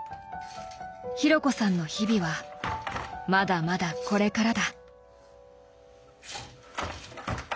紘子さんの日々はまだまだこれからだ。